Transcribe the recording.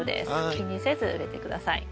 気にせず植えて下さい。